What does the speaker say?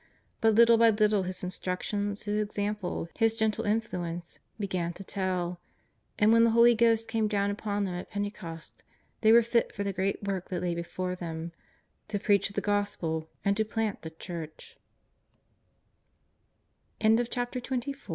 But little by little His instructions. His ex ample. His gentle influence began to tell, and when the Holy Ghost came down upon them at Pentecost they were fit for the great work that lay before them — ^to preach the Gospel and to plant the